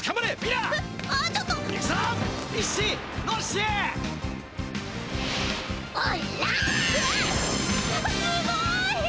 すごい！